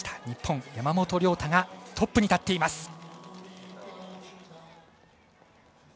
日本、山本涼太がトップに立っています。